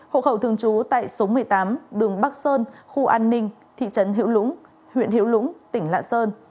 hộ khẩu thường trú tại số một mươi tám đường bắc sơn khu an ninh thị trấn hữu lũng huyện hiểu lũng tỉnh lạng sơn